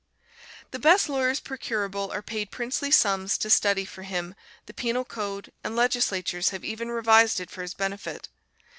The best lawyers procurable are paid princely sums to study for him the penal code, and legislatures have even revised it for his benefit.